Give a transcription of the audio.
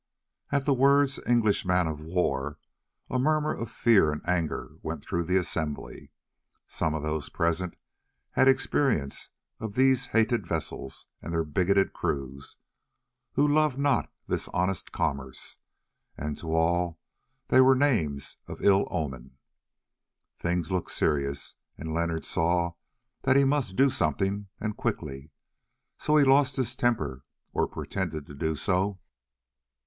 At the words "English man of war" a murmur of fear and anger went through the assembly. Some of those present had experience of these hated vessels and their bigoted crews, who loved not this honest commerce, and to all they were names of ill omen. Things looked serious, and Leonard saw that he must do something, and quickly. So he lost his temper, or pretended to do so.